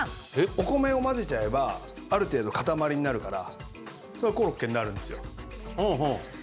お米を混ぜちゃえばある程度、固まりになるからそれはコロッケになるんですよ。